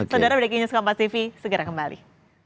saudara bdk news kompas tv segera kembali